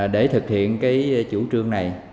để thực hiện cái chủ trương này